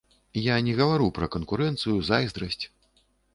Я не гавару пра канкурэнцыю, зайздрасць.